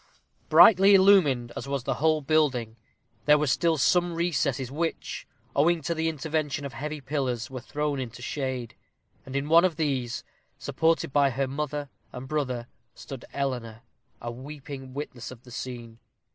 Brightly illumined as was the whole building, there were still some recesses which, owing to the intervention of heavy pillars, were thrown into shade; and in one of these, supported by her mother and brother, stood Eleanor, a weeping witness of the scene.